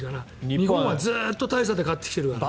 日本はずっと大差で勝ってきているからね。